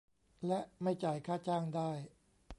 และไม่จ่ายค่าจ้างได้